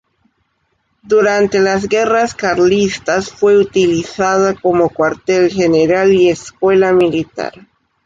Durante las Guerras Carlistas fue utilizada como cuartel general y escuela militar.